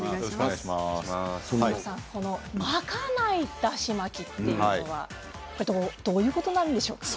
巻かないだし巻きというのはどういうことなんでしょうか？